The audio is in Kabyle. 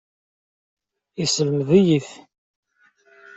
Yeslemed-iyi-t.